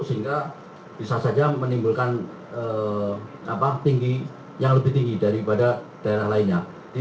sehingga bisa saja menimbulkan eh apa tinggi yang lebih tinggi daripada daerah lainnya di